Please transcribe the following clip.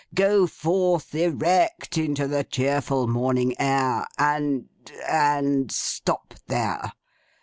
Go forth erect into the cheerful morning air, and—and stop there.